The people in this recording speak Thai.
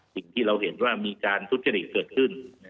สิ่งที่เราเห็นว่ามีการทุจริตเกิดขึ้น